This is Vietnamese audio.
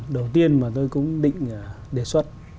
đầu tiên mà tôi cũng định đề xuất